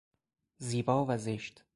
زیبا و زشت